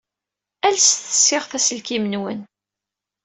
Alset ssiɣet aselkim-nwen.